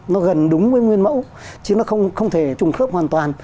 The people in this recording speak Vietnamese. nó gần đúng với nguyên mẫu chứ nó không thể trùng khớp hoàn toàn